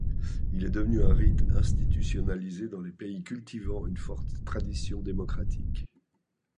Il est devenu un rite institutionnalisé dans les pays cultivant une forte tradition démocratique.